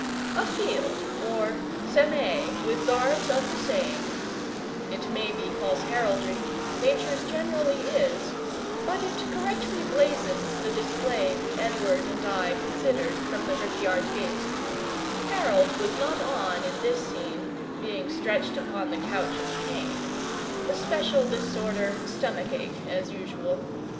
"A field or, semee, with garbs of the same:" it may be false Heraldry Nature's generally is but it correctly blazons the display that Edward and I considered from the rickyard gate, Harold was not on in this scene, being stretched upon the couch of pain; the special disorder stomachic, as usual.